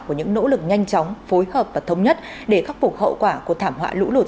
của những nỗ lực nhanh chóng phối hợp và thống nhất để khắc phục hậu quả của thảm họa lũ lụt